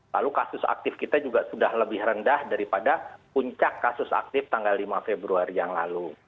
lalu kasus aktif kita juga sudah lebih rendah daripada puncak kasus aktif tanggal lima februari yang lalu